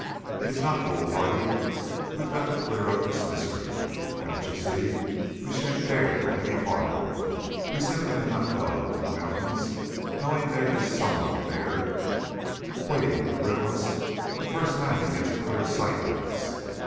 "It is not foolhardy. We've got to clear up this mystery. Don't you see, we shan't dare go any farther we simply cannot go into the mountains knowing there is some one there waiting to riddle us the first time he gets a clear sight at us?"